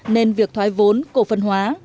nên việc thoái vốn cổ phần hóa